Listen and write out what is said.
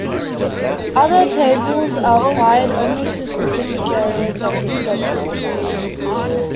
Other tables are applied only to specific areas of the schedules.